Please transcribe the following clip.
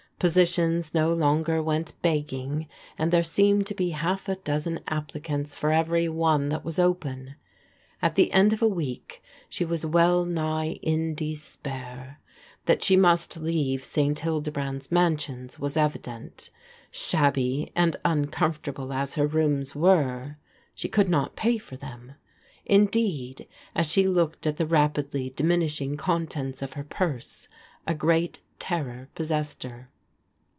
Positions no longer went begging, and there seemed to be half a dozen applicants for every one that was open. At the end of a week she was well nigh in despair. That she must leave St. Hildebrand's Mansions was evi dent. Shabby and uncomfortable as her rooms were, she could not pay for them. Indeed, as she looked at the rapidly diminishing contents of her purse, a great terror possessed her.